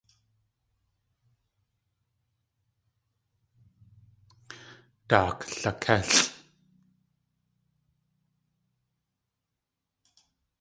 Daak lakélʼ!